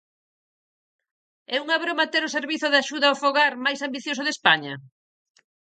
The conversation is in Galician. ¿É unha broma ter o servizo de axuda ao fogar máis ambicioso de España?